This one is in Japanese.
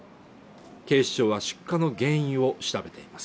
警視庁は出火の原因を調べています。